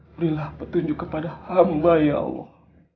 berilah petunjuk kepada hamba ya allah